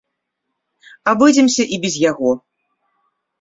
Абыдземся і без яго.